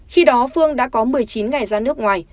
khi đó phương đã có một mươi chín ngày ra nước ngoài